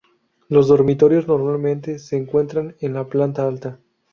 Los dormitorios normalmente se encuentran en la planta alta.